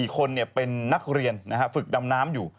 ๔คนเป็นนักเรียนฝึกดำน้ำอยู่